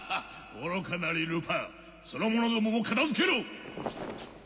愚かなりルパンその者どもも片付けろ！